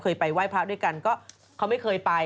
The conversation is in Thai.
เคยไปไหว้พระอาทิตย์ด้วยกันก็เขาไม่เคยไป